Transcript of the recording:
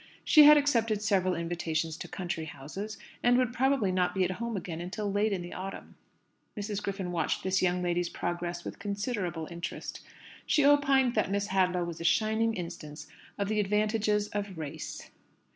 She had accepted several invitations to country houses, and would probably not be at home again until late in the autumn. Mrs. Griffin watched this young lady's progress with considerable interest. She opined that Miss Hadlow was a shining instance of the advantages of "race."